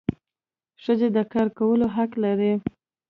ښځي د کار کولو حق لري.